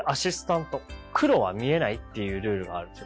黒は見えないっていうルールがあるんですよ